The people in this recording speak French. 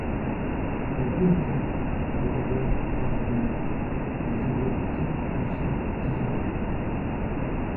Un prédicat peut avoir pour arguments des objets de types, ou sortes, différents.